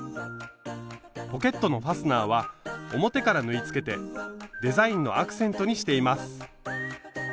ポケットのファスナーは表から縫いつけてデザインのアクセントにしています。